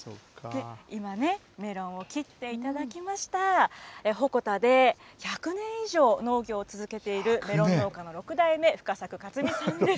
今ね、メロンを切っていただきました、鉾田で１００年以上、農業を続けている、メロン農家の６代目、深作勝己さんです。